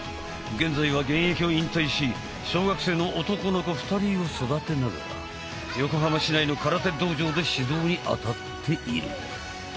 現在は現役を引退し小学生の男の子２人を育てながら横浜市内の空手道場で指導にあたっている。